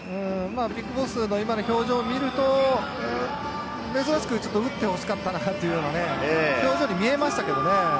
ＢＩＧＢＯＳＳの今の表情を見ると、珍しく打ってほしかったなというような表情に見えましたけどね。